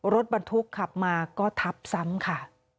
รถบรรทุกขับมาก็ทับซ้ำค่ะ